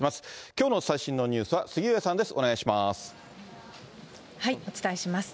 きょうの最新のニュースは杉上さお伝えします。